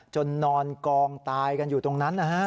นอนกองตายกันอยู่ตรงนั้นนะฮะ